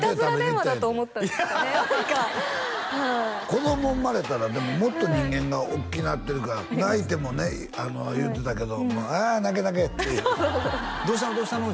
子供生まれたらでももっと人間がおっきいなってるから泣いてもね言うてたけど「あ泣け泣け」って「どしたの？